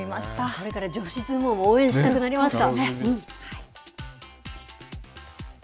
これから女子相撲を応援したくなりました。